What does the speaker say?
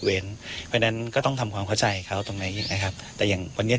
เพราะฉะนั้นก็ต้องทำความเข้าใจเขาตรงนี้นะครับแต่อย่างวันนี้